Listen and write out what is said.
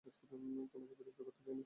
তোমাকে বিরক্ত করতে চাই নি।